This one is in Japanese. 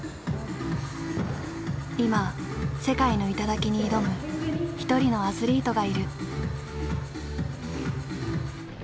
今世界の頂に挑む一人のアスリートがいる。